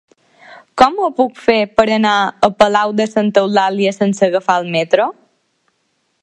Com ho puc fer per anar a Palau de Santa Eulàlia sense agafar el metro?